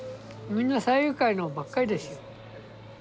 みんな山友会のばっかりですよ。